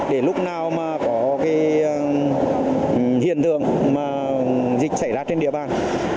để lúc nào có hiện tượng dịch xảy ra trên địa bàn